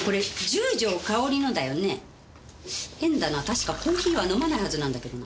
確かコーヒーは飲まないはずなんだけどな。